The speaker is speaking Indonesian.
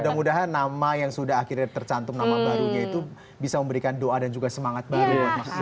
mudah mudahan nama yang sudah akhirnya tercantum nama barunya itu bisa memberikan doa dan juga semangat baru